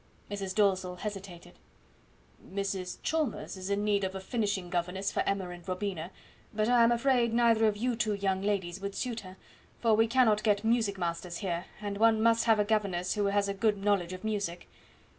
Mrs. Dalzell hesitated. "Mrs. Chalmers is in need of a finishing governess for Emma and Robina; but I am afraid neither of you two young ladies would suit her, for we cannot get music masters here, and one must have a governess who has a good knowledge of music.